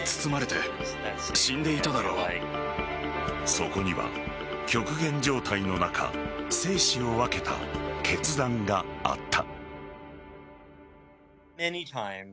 そこには極限状態の中生死を分けた決断があった。